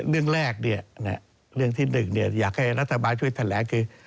เรื่องแรกเนี่ยเรื่องที่หนึ่งเนี่ยอยากให้รัฐบาลช่วยแถลงคือ